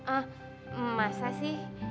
ah masa sih